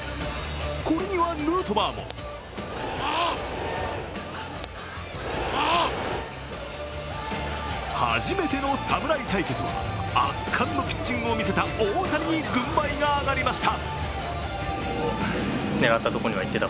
これにはヌートバーも初めての侍対決は圧巻のピッチングを見せた大谷に軍配が上がりました。